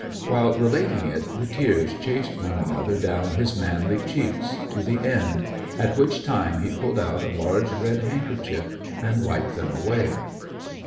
While relating it the tears chased one another down his manly cheeks, to the end, at which time he pulled out a large red handkerchief and wiped them away.